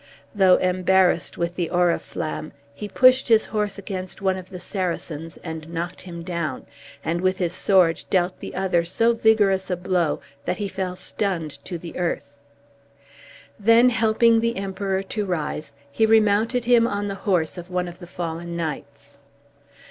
Though embarrassed with the Oriflamme, he pushed his horse against one of the Saracens and knocked him down; and with his sword dealt the other so vigorous a blow that he fell stunned to the earth. Then helping the Emperor to rise, he remounted him on the horse of one of the fallen knights.